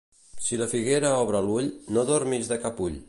Si la figuera obre l'ull, no dormis de cap ull.